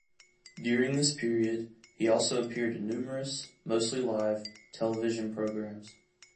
During this period, he also appeared in numerous, mostly live, television programs.